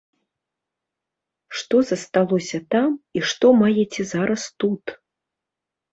Што засталося там і што маеце зараз тут?